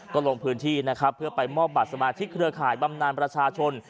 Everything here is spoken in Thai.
ก็ลงพื้นที่นะครับเพื่อไปมอบบัตรสมาชิกเครือข่ายบำนานประชาชน